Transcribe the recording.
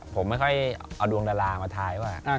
ผมไม่ค่อยเอาดวงดารามาทายว่า